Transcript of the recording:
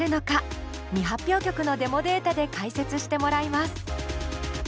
未発表曲のデモデータで解説してもらいます。